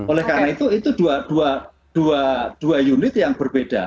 oleh karena itu dua unit yang berbeda